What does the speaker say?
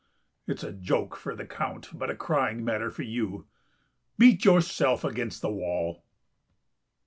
It's a joke for the Count, but a crying matter for you.... Beat yourself against the wall."